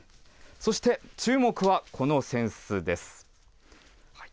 そして注目はこの扇子です。